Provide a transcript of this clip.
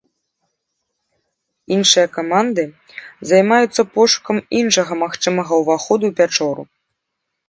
Іншыя каманды займаюцца пошукам іншага магчымага ўваходу ў пячору.